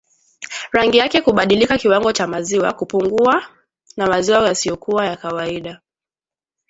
Rangi yake kubadilika kiwango cha maziwa kupungua na maziwa yasiyokuwa ya kawaida